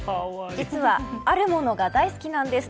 実はあるものが大好きなんです。